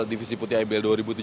di game pertama ini